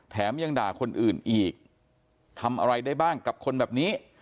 ยังด่าคนอื่นอีกทำอะไรได้บ้างกับคนแบบนี้